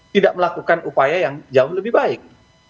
tidak melakukan upaya yang jauh lebih baik